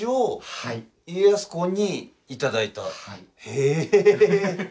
へえ。